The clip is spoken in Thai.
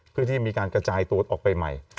เพื่อที่มีการกระจายตัวออกไปใหม่